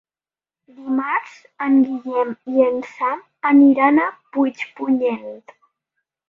Dimarts en Guillem i en Sam aniran a Puigpunyent.